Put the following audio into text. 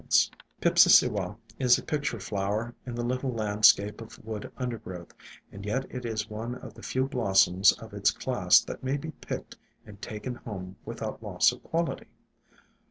Il8 IN SILENT WOODS Pipsissewa is a picture flower in the little land scape of wood undergrowth, and yet it is one of the few blossoms of its class that may be picked and taken home without loss of quality.